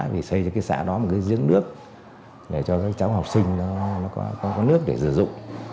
vì xây cho cái xã đó một cái dưỡng nước để cho các cháu học sinh có nước để dự dụng